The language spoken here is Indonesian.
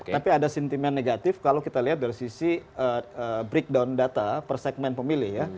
tapi ada sentimen negatif kalau kita lihat dari sisi breakdown data per segmen pemilih ya